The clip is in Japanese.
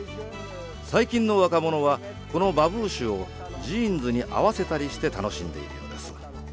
最近の若者はこのバブーシュをジーンズに合わせたりして楽しんでいるようです。